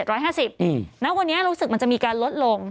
ณวันนี้รู้สึกมันจะมีการลดลง